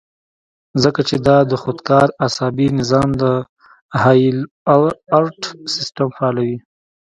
ځکه چې دا د خودکار اعصابي نظام د هائي الرټ سسټم فعالوي